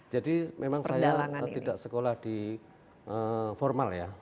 jadi memang saya tidak sekolah di formal ya